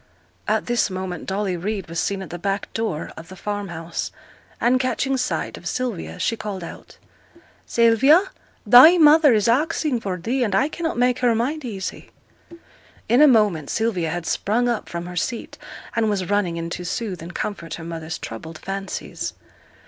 At this moment Dolly Reid was seen at the back door of the farmhouse, and catching sight of Sylvia, she called out 'Sylvia, thy mother is axing for thee, and I cannot make her mind easy.' In a moment Sylvia had sprung up from her seat, and was running in to soothe and comfort her mother's troubled fancies.